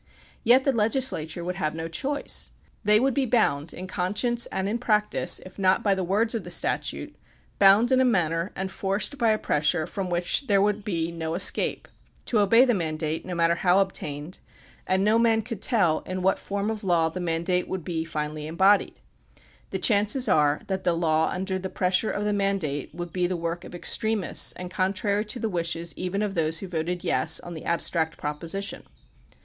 Yet the legislature would have no choice. They would be bound in conscience and in practice, if not by the words of the statute, bound in a manner and forced by a pressure from which there would be no escape, to obey the mandate no matter how obtained, and no man could tell in what form of law the mandate would be finally embodied. The chances are that the law under the pressure of the mandate would be the work of extremists and contrary to the wishes even of those who voted "yes" on the abstract proposition.